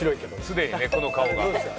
すでにねこの顔が。